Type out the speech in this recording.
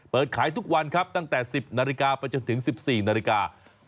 เปิดขายทุกวันตั้งแต่๑๐นาฬิกาไปถึง๑๔นาฬิกา